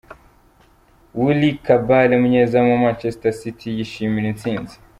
Willy Caballer umunyezamu wa Manchester City yishimira intsinzi.